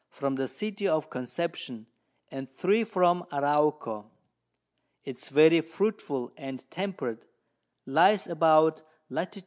from the City of Conception, and 3 from Arauco: It is very fruitful and temperate, lies about Lat.